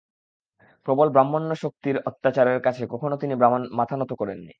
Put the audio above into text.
প্রবল ব্রাহ্মণ্যশক্তির অত্যাচারের কাছে কখনও তিনি মাথা নত করেননি।